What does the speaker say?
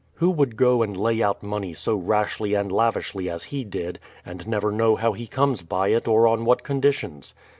Who would go and lay out money so rashly and lavishly as he did, and never know how he comes by it or on what conditions?